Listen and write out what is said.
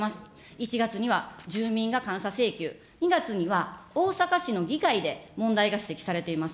１月には住民が監査請求、２月には大阪市の議会で問題が指摘されています。